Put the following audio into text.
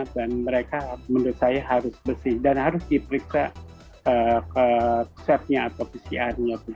dan mereka menurut saya harus bersih dan harus diperiksa ke tujuh nya atau ke enam nya